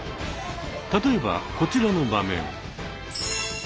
例えばこちらの場面。